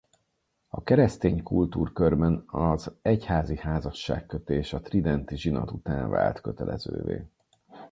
A keresztény kultúrkörben az egyházi házasságkötés a tridenti zsinat után vált kötelezővé.